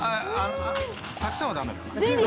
たくさんはだめだよ。